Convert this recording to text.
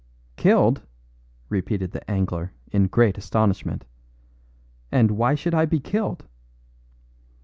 "Killed!" repeated the angler in great astonishment. "And why should I be killed?"